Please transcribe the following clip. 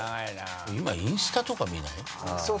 今インスタとか見ない？